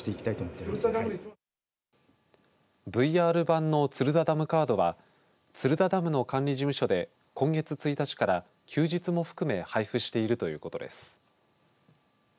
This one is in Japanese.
ＶＲ版の鶴田ダムカードは鶴田ダムの管理事務所で今月１日から休日も含め配布しているということです。